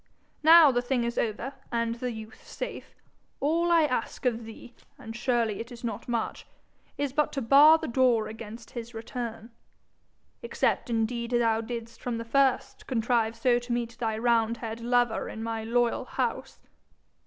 'Now the thing is over, and the youth safe, all I ask of thee, and surely it is not much, is but to bar the door against his return except indeed thou didst from the first contrive so to meet thy roundhead lover in my loyal house.